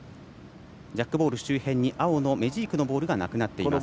ジャックボール周辺に青のメジークのボールがなくなっています。